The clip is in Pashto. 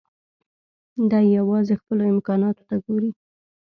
دی يوازې خپلو امکاناتو ته ګوري.